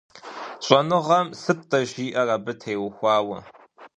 ЩӀэныгъэм сыт-тӀэ жиӀэр абы теухуауэ?